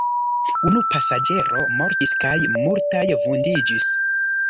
Unu pasaĝero mortis kaj multaj vundiĝis.